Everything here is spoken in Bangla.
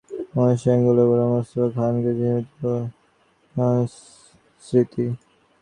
অনুষ্ঠানে নৃত্যগুরু গোলাম মোস্তফা খানকে জীনাত জাহান স্মৃতি সম্মাননা পদক দেওয়া হবে।